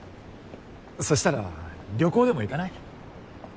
そしたら旅行でも行かない？